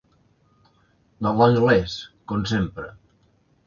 De l'anglès, com sempre.